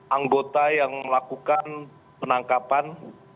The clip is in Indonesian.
anggota yang melakukan penangkapan